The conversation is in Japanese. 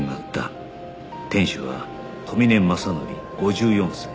店主は富峰正紀５４歳